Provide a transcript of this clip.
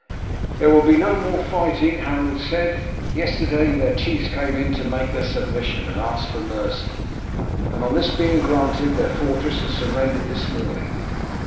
"There will be no more fighting," Harold said. "Yesterday their chiefs came in to make their submission and ask for mercy, and on this being granted their fortress has surrendered this morning.